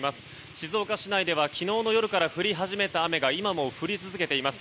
静岡市内では昨日の夜から降り始めた雨が今も降り続けています。